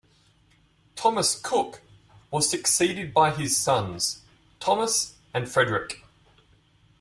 Thomas Cooke was succeeded by his sons, Thomas and Frederick.